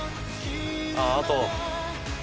あっあと。